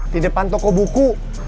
di depan toko buku